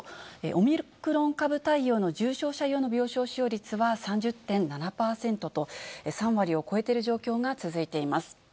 オミクロン株対応の重症者用の病床使用率は３０．７％と、３割を超えている状況が続いています。